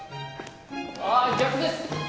ああ逆です！